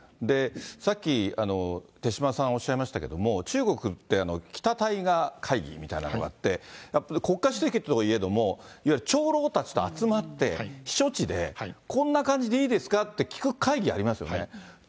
さっき、手嶋さんおっしゃいましたけども、中国って北戴河会議みたいなのがあって、国家主席といえども、長老たちと集まって、避暑地でこんな感じでいいですかって聞く会議、ありますよね。